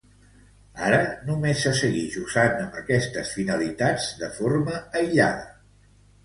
Ara, només se seguix usant amb estes finalitats de forma aïllada.